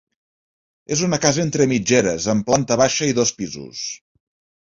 És una casa entre mitgeres amb planta baixa i dos pisos.